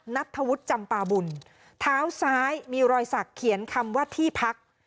นัทธวุฒิจำปาบุญเท้าซ้ายมีรอยสักเขียนคำว่าที่พัก